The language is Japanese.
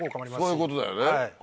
そういうことだよね。